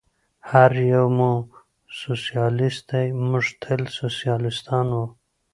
هر یو مو سوسیالیست دی، موږ تل سوسیالیستان و.